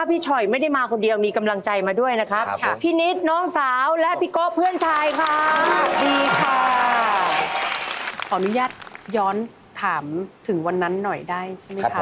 เพื่อที่เลยเอาได้มาฟิภาษารายเป็นวิทีศาสตร์ขาดมันก็